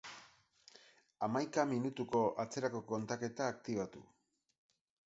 Hamaika minutuko atzerako kontaketa aktibatu